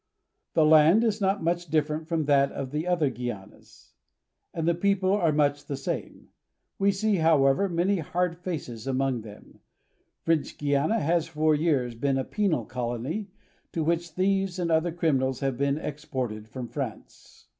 The land is not much different from that of the other Guianas, and the people are much the same. We see, In Cayenne. however, many hard faces among them. French Guiana has for years been a penal colony, to which thieves and other criminals have been exported from France.